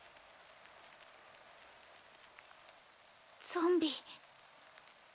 ゾンビ。